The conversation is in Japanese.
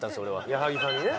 矢作さんにね。